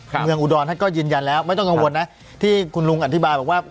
เมืองอุดรท่านก็ยืนยันแล้วไม่ต้องกังวลนะที่คุณลุงอธิบายบอกว่า